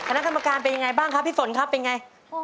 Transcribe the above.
คณะกรรมการเป็นอย่างไรบ้างครับพี่ฝนครับเป็นอย่างไร